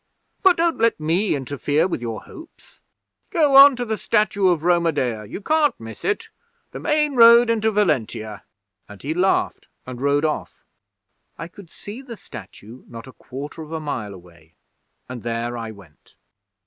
"But don't let me interfere with your hopes. Go on to the Statue of Roma Dea. You can't miss it. The main road into Valentia!" and he laughed and rode off. I could see the statue not a quarter of a mile away, and there I went.